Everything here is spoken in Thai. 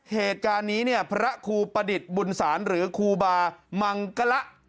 เหตุการณ์นี้เนี่ยพระครูประดิษฐ์บุญศาลหรือครูบามังกะละ